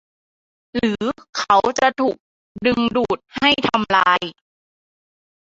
หรือเขาจะถูกดึงดูดให้ทำลาย